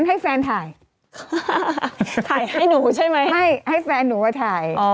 ให้แฟนหนูเอาถ่าย